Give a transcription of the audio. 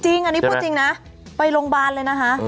จริงอันนี้พูดจริงนะไปโรงพยาบาลเลยนะคะ